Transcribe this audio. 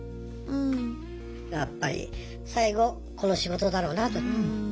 やっぱり最後この仕事だろうなと。